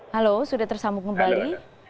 halo sudah tersambung kembali